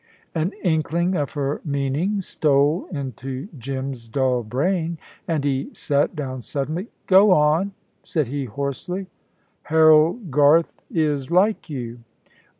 An inkling of her meaning stole into Jim's dull brain, and he sat down suddenly. "Go on," said he, hoarsely. "Harold Garth is like you."